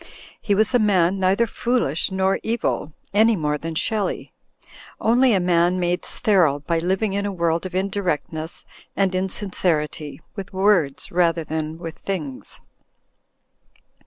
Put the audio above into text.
He was a man neither foolish nor evil, any more than Shelley; only a man made sterile by living in a world of indirectness and insin cerity, with words rather than with things.